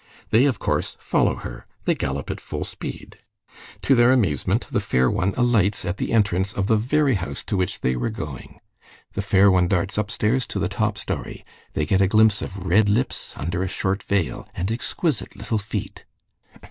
They, of course, follow her. They gallop at full speed. To their amazement, the fair one alights at the entrance of the very house to which they were going. The fair one darts upstairs to the top story. They get a glimpse of red lips under a short veil, and exquisite little feet."